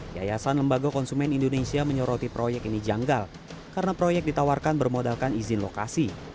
yayasan lembaga konsumen indonesia menyoroti proyek ini janggal karena proyek ditawarkan bermodalkan izin lokasi